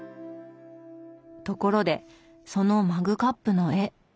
ところでそのマグカップの絵。